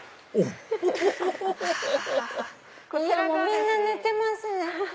みんな寝てますね。